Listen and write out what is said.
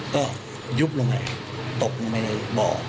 ก็ยุบลงไปตกลงไปในบ่อ